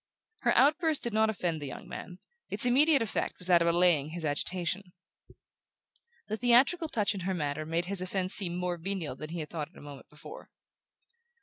Her outburst did not offend the young man; its immediate effect was that of allaying his agitation. The theatrical touch in her manner made his offense seem more venial than he had thought it a moment before.